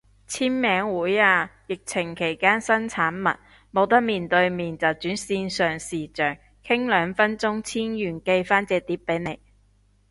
簽名會啊，疫情期間新產物，冇得面對面就轉線上視象，傾兩分鐘簽完寄返隻碟俾你